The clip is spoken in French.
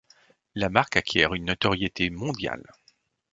La marque acquiert une notoriété mondiale.